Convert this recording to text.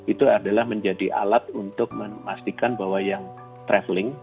itu adalah menjadi alat untuk memastikan bahwa yang traveling